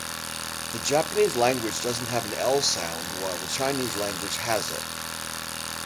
The Japanese language doesn't have an L sound while the Chinese language has it.